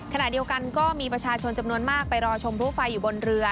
ขณะเดียวกันก็มีประชาชนจำนวนมากไปรอชมพลุไฟอยู่บนเรือ